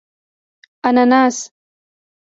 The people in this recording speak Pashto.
🍍 انناس